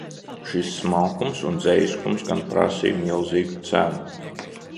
Šis smalkums un dzejiskums gan prasīja milzīgu cenu.